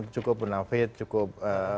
cukup benafit cukup